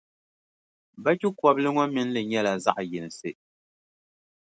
Bachikɔbili ŋɔ mini li nyɛla zaɣʼ yinsi.